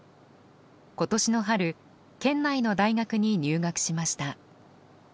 今年の春県内の大学に入学しました。